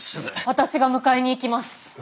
私が迎えに行きます。